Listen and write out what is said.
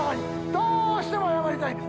どうしても謝りたい！